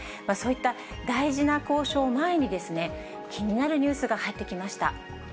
そういった大事な交渉を前に、気になるニュースが入ってきました。